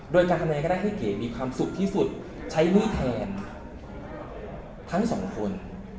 โดยการทำยังไงก็ได้ให้เก๋มีความสุขที่สุดใช้มือแทนทั้งสองคน